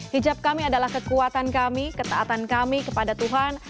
hijab kami adalah kekuatan kami ketaatan kami kepada tuhan